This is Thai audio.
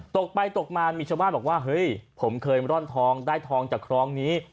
ตกไปตกมามีชาวบ้านบอกว่าเฮ้ยผมเคยร่อนทองได้ทองจากครองนี้